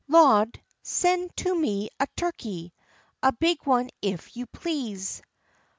"Lawd, sen' to me a turkey, a big one if you please."